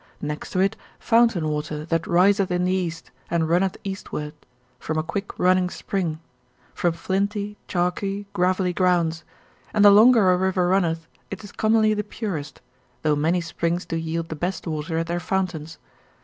Next to it fountain water that riseth in the east, and runneth eastward, from a quick running spring, from flinty, chalky, gravelly grounds: and the longer a river runneth, it is commonly the purest, though many springs do yield the best water at their fountains.